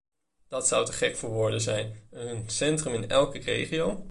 Dat zou te gek voor woorden zijn, een centrum in elke regio.